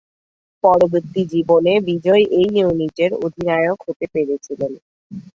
পরবর্তী জীবনে বিজয় এই ইউনিটের অধিনায়ক হতে পেরেছিলেন।